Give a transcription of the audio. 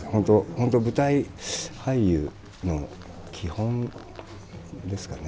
本当舞台俳優の基本ですかね。